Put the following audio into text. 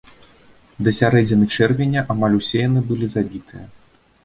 Да сярэдзіны чэрвеня амаль усе яны былі забітыя.